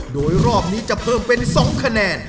โดยรอบนี้จะเพิ่มเป็น๒คะแนน